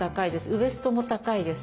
ウエストも高いです。